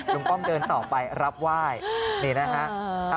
กล้องเดินต่อไปรับไหว้นี่นะฮะ